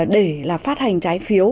để phát hành trái phiếu